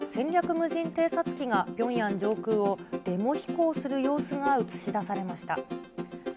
無人偵察機がピョンヤン上空をでも飛行する様子が映し出されました。